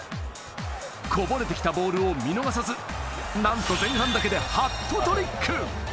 こぼれてきたボールを見逃さず、なんと前半だけでハットトリック！